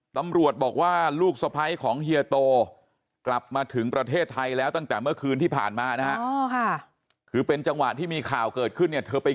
ตำรวจบอกว่าลูกสะพ้ายของเฮียโตกลับมาถึงประเทศไทยแล้วตั้งแต่เมื่อคืนที่ผ่านมานะฮะคือเป็นจังหวะที่มีข่าวเกิดขึ้นเนี่ยเธอไป